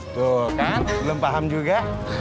tuh kan belum paham juga